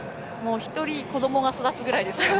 １人、子どもが育つぐらいですよね。